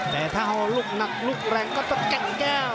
แต่ถ้าเอาลูกหนักลูกแรงก็ต้องแก่งแก้ว